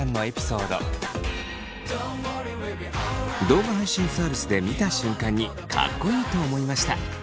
動画配信サービスで見た瞬間にかっこいい！と思いました。